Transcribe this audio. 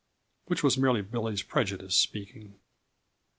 Which was merely Billy's prejudice speaking.